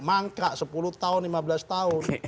mangkrak sepuluh tahun lima belas tahun